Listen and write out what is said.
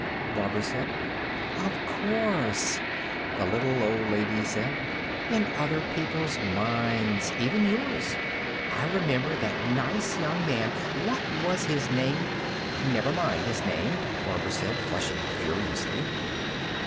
Barbara said. "Of course," the little old lady said. "In other people's minds. Even yours. I remember that nice young man ... what was his name?" "Never mind his name," Barbara said, flushing furiously.